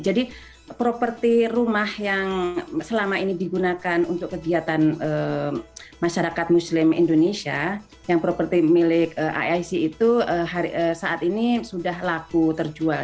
jadi properti rumah yang selama ini digunakan untuk kegiatan masyarakat muslim indonesia yang properti milik aic itu saat ini sudah laku terjual